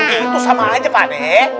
itu sama aja pakde